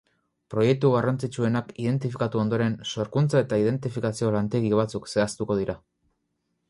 Proiektu garrantzitsuenak identifikatu ondoren, sorkuntza eta identifikazio lantegi batzuk zehaztuko dira.